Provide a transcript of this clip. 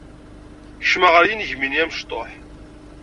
Kecmeɣ ɣer yinegmi-nni amecṭuḥ.